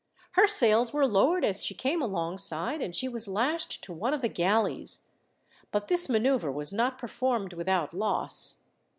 Her sails were lowered as she came alongside, and she was lashed to one of the galleys. But this manoeuvre was not performed without loss.